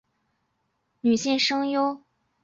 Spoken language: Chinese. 兴梠里美是一名日本女性声优。